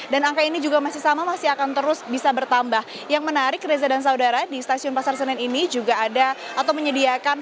dan juga ini datanya masih bisa diperlihatkan